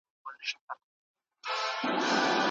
بد اخلاقي د انسان ټول نېک عملونه باطروي.